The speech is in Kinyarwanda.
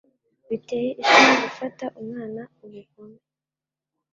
Biteye isoni gufata umwana ubugome.